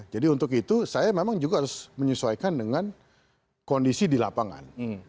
jadi untuk itu saya memang juga harus menyesuaikan dengan kondisi di lapangan